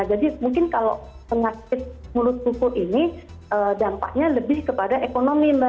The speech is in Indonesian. jadi mungkin kalau penyakit mulut kuku ini dampaknya lebih kepada ekonomi